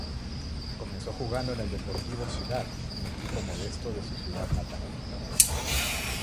Comenzó jugando en el Deportivo Ciudad un equipo modesto de su ciudad natal.